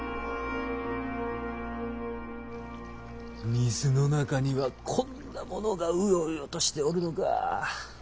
水の中にはこんなものがウヨウヨとしておるのか。